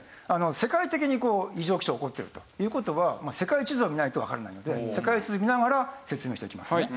世界的にこう異常気象起こってるという事はまあ世界地図を見ないとわからないので世界地図を見ながら説明していきますね。